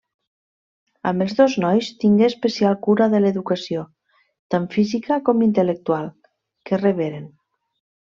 Amb els dos nois tingué especial cura de l'educació, tant física com intel·lectual, que reberen.